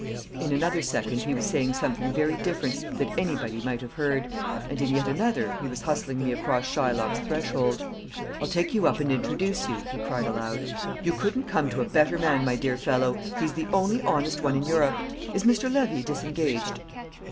In another second he was saying something very different that anybody might have heard, and in yet another he was hustling me across Shylock's threshold. "I'll take you up and introduce you," he cried aloud. "You couldn't come to a better man, my dear fellow he's the only honest one in Europe. Is Mr. Levy disengaged?"